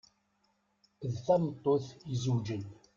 D tameṭṭut izeweǧen.